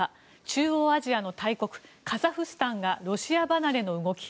中央アジアの大国カザフスタンがロシア離れの動き。